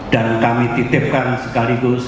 dan kami titipkan sekaligus